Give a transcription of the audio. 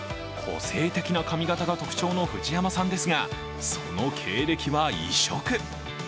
個性的な髪型が特徴の藤山さんですが、その経歴は異色。